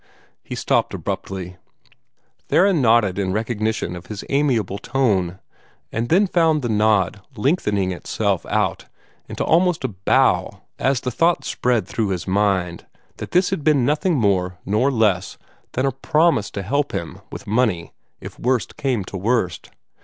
He stopped abruptly. Theron nodded in recognition of his amiable tone, and the found the nod lengthening itself out into almost a bow as the thought spread through his mind that this had been nothing more nor less than a promise to help him with money if worst came to worst.